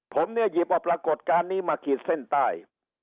ผมเนี่ยหยิบเอาปรากฏการณ์นี้มาขีดเส้นใต้